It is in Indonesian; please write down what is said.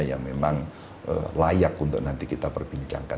yang memang layak untuk nanti kita perbincangkan